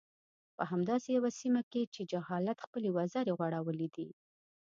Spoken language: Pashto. په همداسې يوه سيمه کې چې جهالت خپلې وزرې غوړولي دي.